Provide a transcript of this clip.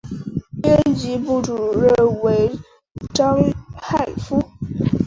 编辑部主任为章汉夫。